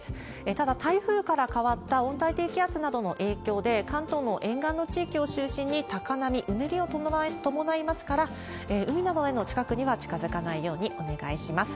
ただ、台風から変わった温帯低気圧などの影響で、関東の沿岸の地域を中心に高波、うねりを伴いますから、海などの近くには近づかないようにお願いします。